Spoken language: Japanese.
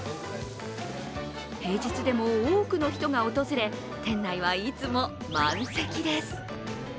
平日でも多くの人が訪れ店内はいつも満席です。